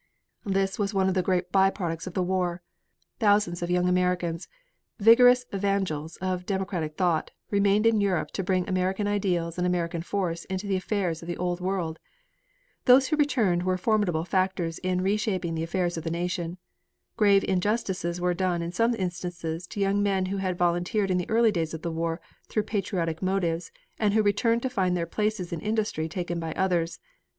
This was one of the great by products of the war. Thousands of young Americans, vigorous evangels of democratic thought, remained in Europe to bring American ideals and American force into the affairs of the old world. Those who returned were formidable factors in re shaping the affairs of the nation. Grave injustices were done in some instances to young men who had volunteered in the early days of the war through patriotic motives and who returned to find their places in industry taken by others.